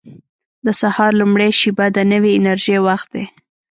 • د سهار لومړۍ شېبه د نوې انرژۍ وخت دی.